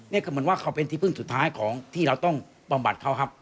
นี่ก็เหมือนว่าเขาเป็นที่พึ่งสุดท้ายของที่เราต้องบำบัดเขาครับ